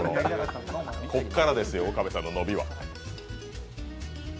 ここからですよ、岡部さんの伸びは。